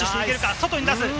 外に出す。